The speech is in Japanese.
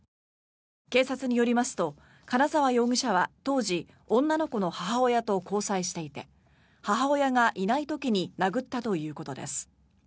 警察によりますと金沢容疑者は当時女の子の母親と交際していて母親がいない時に殴ったということです。